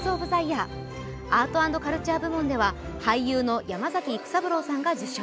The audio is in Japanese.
アート＆カルチャー部門では俳優の山崎育三郎さんが受賞。